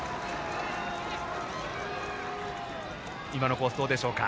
今のコースどうですか？